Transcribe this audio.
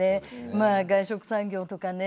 まあ外食産業とかね